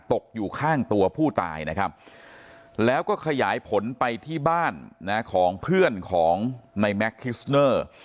ตกอยู่ข้างตัวผู้ตายนะครับแล้วก็ขยายผลไปที่บ้านของเพื่อนของในแม็กคิสเนอร์